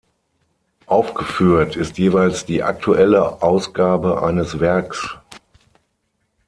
Aufgeführt ist jeweils die aktuelle Ausgabe eines Werks.